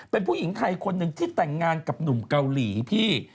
เป็นผู้หญิงไทยคนหนึ่งที่แต่งงานกับหนุ่มเกาหลีพี่